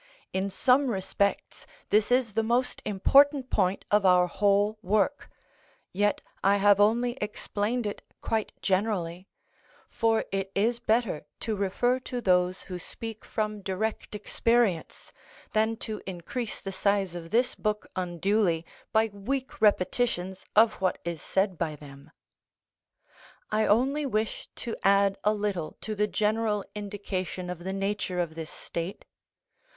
In some respects this is the most important point of our whole work; yet I have only explained it quite generally, for it is better to refer to those who speak from direct experience, than to increase the size of this book unduly by weak repetitions of what is said by them. I only wish to add a little to the general indication of the nature of this state.